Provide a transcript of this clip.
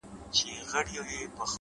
ښه چلند خاموشه ژبه ده،